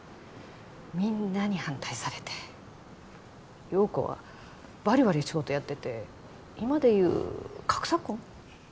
みんなに反対されて陽子はバリバリ仕事やってて今で言う格差婚？